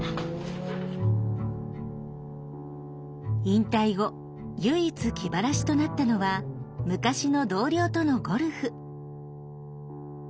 引退後唯一気晴らしとなったのは昔の同僚とのゴルフ。